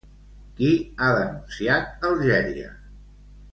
Qui ha denunciat Algèria?